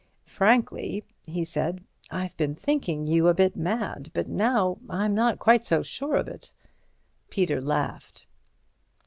"Frankly," he said, "I've been thinking you a bit mad, but now I'm not quite so sure of it." Peter laughed.